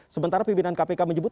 sementara pimpinan kpk menyebut